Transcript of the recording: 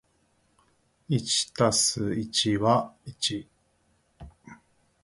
一足す一は一ー